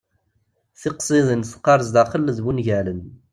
Tiqsiḍin teqqar sdaxel d wungalen.